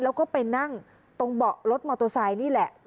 แล้วก็ไปนั่งตรงเบาะรถมอเตอร์ไซค์นี่แหละ